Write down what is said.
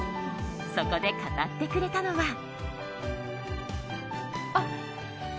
そこで語ってくれたのは。